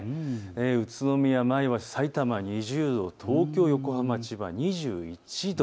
宇都宮、前橋、さいたま、２０度、東京、横浜、千葉、２１度。